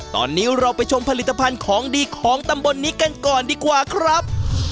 ตอนนี้เราไปชมผลิตภัณฑ์ของดีของตำบลนี้กันก่อนดีกว่าครับ